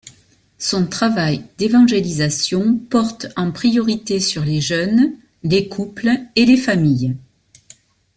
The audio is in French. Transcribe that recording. Son travail d'évangélisation porte en priorité sur les jeunes, les couples et les familles.